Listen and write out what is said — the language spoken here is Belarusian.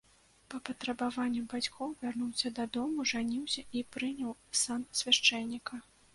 Па патрабаванню бацькоў вярнуўся дадому, жаніўся і прыняў сан свяшчэнніка.